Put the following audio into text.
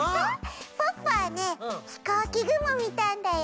ポッポはねひこうきぐもみたんだよ。